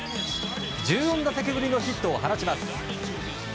１４打席ぶりのヒットを放ちます。